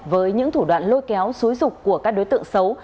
với những thủ đoạn lôi kéo xúi dục của các đối tượng xấu